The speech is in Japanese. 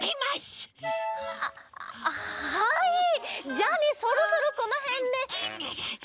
じゃあねそろそろこのへんで。